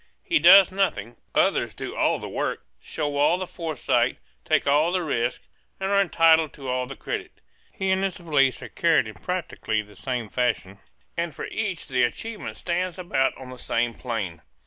He does nothing; others do all the work, show all the forethought, take all the risk and are entitled to all the credit. He and his valise are carried in practically the same fashion; and for each the achievement stands about on the same plane.